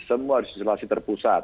semua isolasi terpusat